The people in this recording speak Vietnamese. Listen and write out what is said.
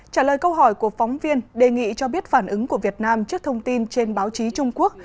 trả lời câu hỏi của phóng viên đề nghị cho biết phản ứng của việt nam trước thông tin trên báo chí trung quốc